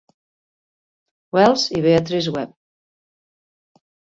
Wells i Beatrice Webb.